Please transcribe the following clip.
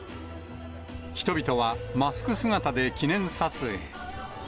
人々はマスク姿で記念撮影。